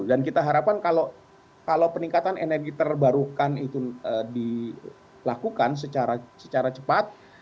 dan kita harapkan kalau peningkatan energi terbarukan itu dilakukan secara cepat